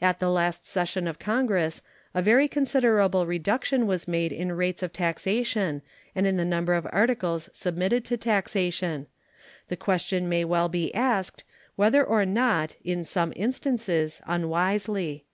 At the last session of Congress a very considerable reduction was made in rates of taxation and in the number of articles submitted to taxation; the question may well be asked, whether or not, in some instances, unwisely.